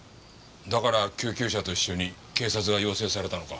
だから救急車と一緒に警察が要請されたのか。